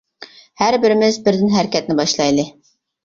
ھەر بىرىمىز بىردىن ھەرىكەتنى باشلايلى.